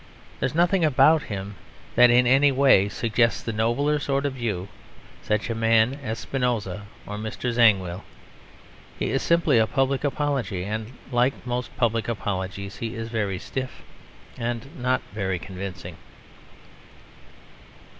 There is nothing about him that in any way suggests the nobler sort of Jew, such a man as Spinoza or Mr. Zangwill. He is simply a public apology, and like most public apologies, he is very stiff and not very convincing.